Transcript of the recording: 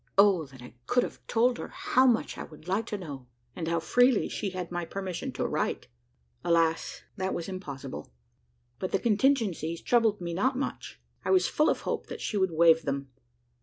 Oh! that I could have told her how much I "would like to know," and how freely she had my permission to write! Alas! that was impossible. But the contingencies troubled me not much; I was full of hope that she would waive them.